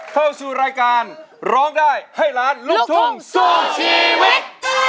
เข้าสู่รายการร้องได้ให้ล้านลูกทุ่งสู้ชีวิต